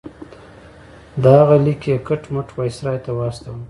د هغه لیک یې کټ مټ وایسرا ته واستاوه.